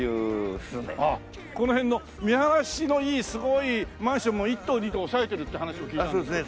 この辺の見晴らしのいいすごいマンションも１棟２棟押さえてるって話を聞いたんですが。